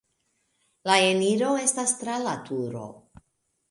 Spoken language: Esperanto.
La eniro estas tra la turo.